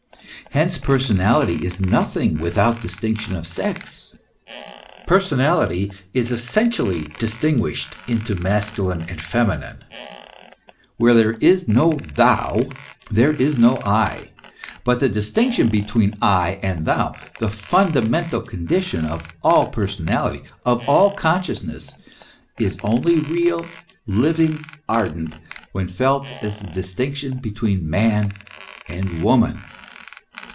Hence person ality is nothing without distinction of sex ; personality is essentially distinguished into masculine and feminine. Where THE MYSTERY OF MYSTICISM. 91 there is no thou, there is no I ; but the distinction between I and thou, the fundamental condition of all personality, of all consciousness, is only real, living, ardent, when felt as the dis tinction between man and woman.